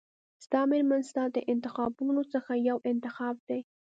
ستا مېرمن ستا د انتخابونو څخه یو انتخاب دی.